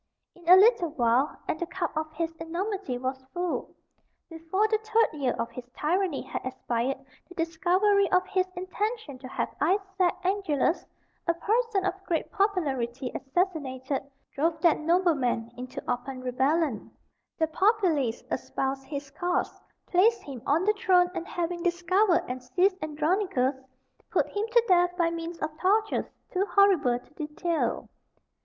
In a little while, and the cup of his enormity was full. Before the third year of his tyranny had expired the discovery of his intention to have Isaac Angelus, a person of great popularity, assassinated, drove that nobleman into open rebellion; the populace espoused his cause, placed him on the throne, and having discovered and seized Andronicus, put him to death by means of tortures too horrible to detail.